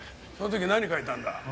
その時何描いたんだ？